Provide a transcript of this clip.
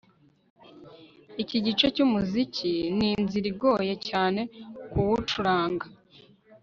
Iki gice cyumuziki ninzira igoye cyane kuwucuranga